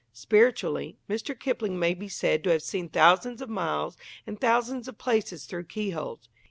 Spiritually, Mr. Kipling may be said to have seen thousands of miles and thousands of places through keyholes.